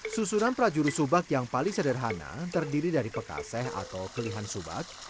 susunan prajurus subak yang paling sederhana terdiri dari pekaseh atau kelihan subak